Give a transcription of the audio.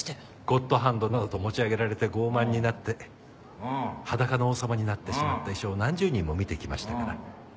ゴッドハンドなどと持ち上げられて傲慢になって裸の王様になってしまった医者を何十人も見てきましたから。